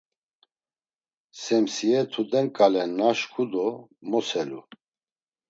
Semsiye tuden ǩale naşku do moselu.